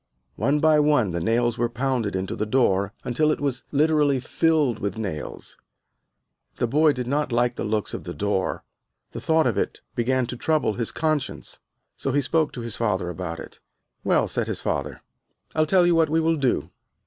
One by one the nails were pounded into the door, until it was literally filled with nails. The boy did not like the looks of the door, the thought of it began to trouble his conscience. So he spoke to his father about it. "Well," said his father, "I'll tell you what we will do.